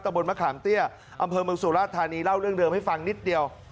บนมะขามเตี้ยอำเภอเมืองสุราชธานีเล่าเรื่องเดิมให้ฟังนิดเดียว